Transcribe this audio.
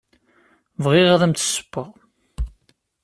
Bɣiɣ ad am-d-ssewweɣ.